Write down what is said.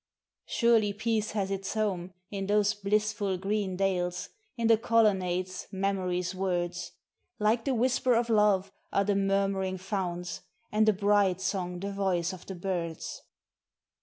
"Surely peace has its home in those blissful green dales, in the colonnades, memory's words; Like the whisper of love are the murmuring founts, and a bride song the voice of the birds.